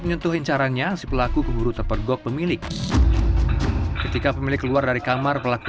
menyentuhi caranya si pelaku kuburu terpergok pemilik ketika pemilik keluar dari kamar pelaku